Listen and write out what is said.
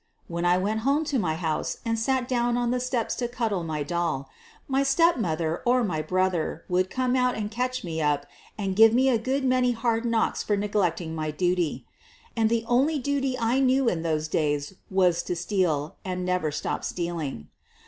When I went home to my house and sat down on the steps to cuddle my doll my stepmother or my brother would come out and catch me up and give me a good many hard knocks for neglecting my duty — and the only duty I knew in those days was to steal, and never stop stealing.